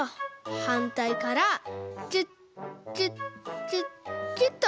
はんたいからキュッキュッキュッキュッと。